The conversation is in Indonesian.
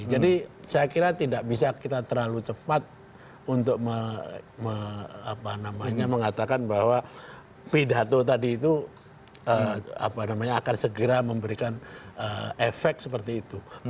jadi saya kira tidak bisa kita terlalu cepat untuk mengatakan bahwa pidato tadi itu akan segera memberikan efek seperti itu